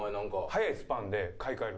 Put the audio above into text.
早いスパンで買い換える。